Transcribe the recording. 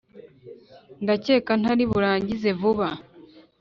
Ndacyeka ntari burangize vuba